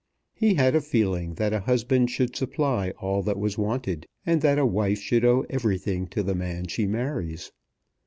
He had a feeling that a husband should supply all that was wanted, and that a wife should owe everything to the man she marries.